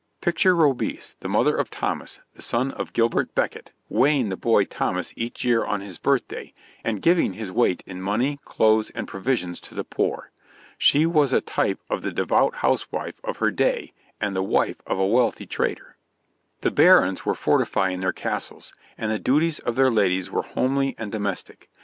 Picture Robese, the mother of Thomas, the son of Gilbert Becket, weighing the boy Thomas each year on his birthday, and giving his weight in money, clothes, and provisions to the poor. She was a type of the devout housewife of her day, and the wife of a wealthy trader. The barons were fortifying their castles, and the duties of their ladies were homely and domestic.